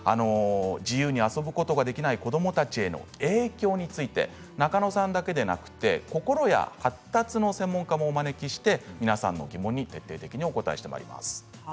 自由に遊ぶことができない子どもたちへの影響について中野さんだけでなく心や発達の専門家もお招きして皆さんの疑問に徹底的に答えていただきます。